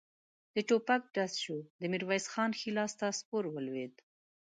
د ټوپک ډز شو، د ميرويس خان ښی لاس ته سپور ولوېد.